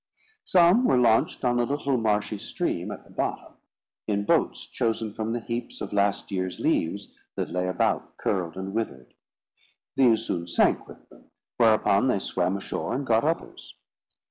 Some were launched on a little marshy stream at the bottom, in boats chosen from the heaps of last year's leaves that lay about, curled and withered. These soon sank with them; whereupon they swam ashore and got others.